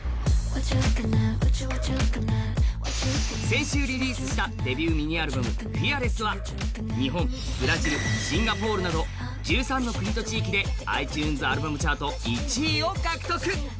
先週リリースしたデビューミニアルバムは、日本、ブラジル、シンガポールなど１３の国と地域でｉＴｕｎｅｓアルバムチャート１位を獲得